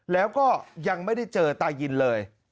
แล้วก็ยังไม่ได้เจอตายินเลย